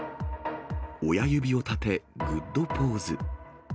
親指を立て、グッドポーズ。